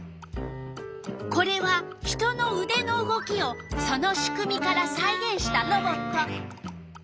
これは人のうでの動きをその仕組みからさいげんしたロボット。